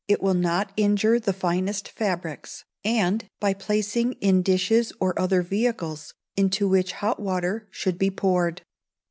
(it will not injure the finest fabrics), and by placing in dishes or other vehicles, into which hot water should be poured.